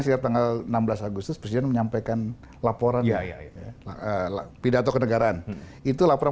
pada tanggal enam belas agustus presiden menyampaikan laporan ya ya pidato kenegaraan itu laporan